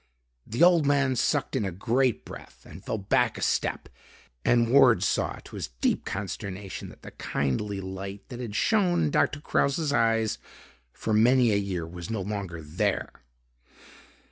The old man sucked in a great breath and fell back a step and Ward saw, to his deep consternation, that the kindly light that had shown in Doctor Kraus's eyes for many a year, was no longer there.